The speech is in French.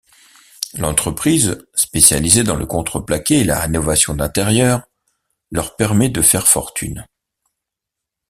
L'entreprise, spécialisée dans le contreplaqué et la rénovation d'intérieur, leur permet de faire fortune.